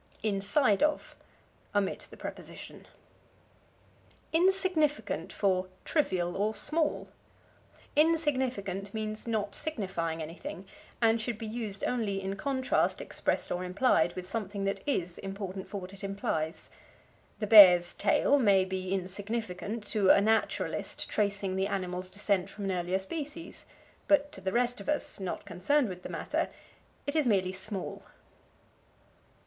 Inside of. Omit the preposition. Insignificant for Trivial, or Small. Insignificant means not signifying anything, and should be used only in contrast, expressed or implied, with something that is important for what it implies. The bear's tail may be insignificant to a naturalist tracing the animal's descent from an earlier species, but to the rest of us, not concerned with the matter, it is merely small.